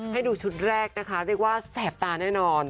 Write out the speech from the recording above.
ให้ดูชุดแรกนะคะเรียกว่าแสบตาแน่นอน